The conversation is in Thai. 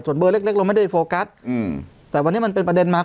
ส่วนเบอร์เล็กเราไม่ได้โฟกัสอืมแต่วันนี้มันเป็นประเด็นมา